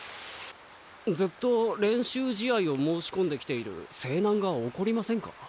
ずっと練習試合を申し込んできている勢南が怒りませんか？